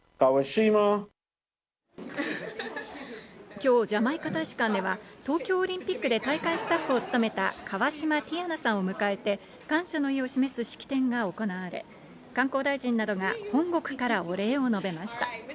きょう、ジャマイカ大使館では、東京オリンピックで大会スタッフを務めた河島ティヤナさんを迎えて、感謝の意を示す式典が行われ、観光大臣などが本国からお礼を述べました。